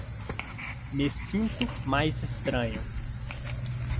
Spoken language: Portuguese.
Me sinto mais estranho